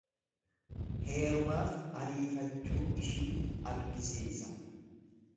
Heerumaaf ariifachuu ishii argisiisa.